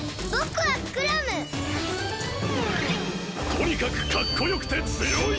とにかくかっこよくてつよい！